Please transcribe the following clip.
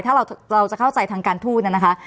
ถ้าเราจะเข้าใจทางการทูตเนี่ยนะคะ